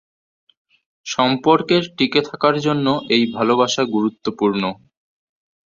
সম্পর্কের টিকে থাকার জন্য এই ভালোবাসা গুরুত্বপূর্ণ।